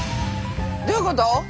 どういうこと？